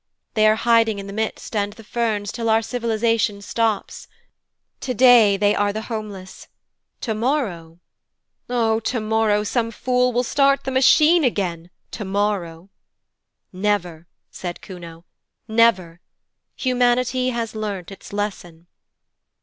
They are hiding in the midst and the ferns until our civilization stops. Today they are the Homeless tomorrow ' 'Oh, tomorrow some fool will start the Machine again, tomorrow.' 'Never,' said Kuno, 'never. Humanity has learnt its lesson.'